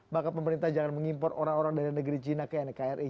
maka pemerintah jangan mengimpor orang orang dari negeri cina ke nkri